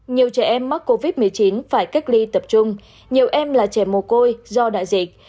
nhiều trẻ em mắc covid một mươi chín phải cách ly tập trung nhiều em là trẻ mồ côi do đại dịch